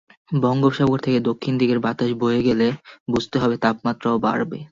বঙ্গোপসাগর থেকে দক্ষিণ দিকের বাতাস বয়ে গেলে বুঝতে হবে তাপমাত্রাও বাড়বে।